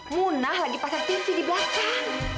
munah lagi pasar tv di belakang